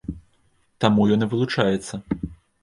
Таму ён і вылучаецца.